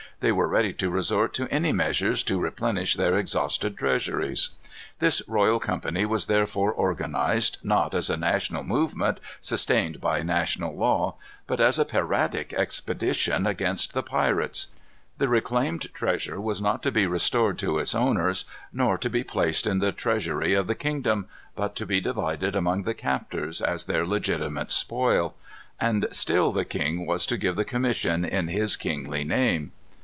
They were ready to resort to any measures to replenish their exhausted treasuries. This royal company was therefore organized, not as a national movement, sustained by national law, but as a piratic expedition against the pirates. The reclaimed treasure was not to be restored to its owners, nor to be placed in the treasury of the kingdom, but to be divided among the captors as their legitimate spoil. And still the king was to give the commission in his kingly name.